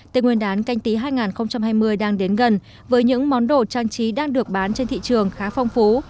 tên nguyên đán canh tí hai nghìn hai mươi đang đến gần với những món đồ trang trí đang được bán trên thị trường khá phong phú